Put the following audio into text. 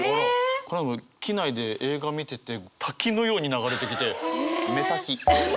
この間も機内で映画見てて滝のように流れてきて目滝。